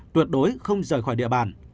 tuyệt đối không rời khỏi địa bàn